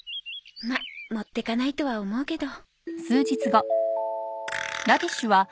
まっ持ってかないとは思うけど。